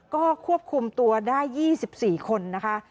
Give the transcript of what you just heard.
ก็ควบคุมตัวได้๒๔คนนะคะ